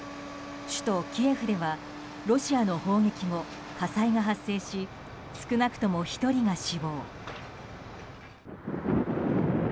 首都キエフではロシアの砲撃後火災が発生し少なくとも１人が死亡。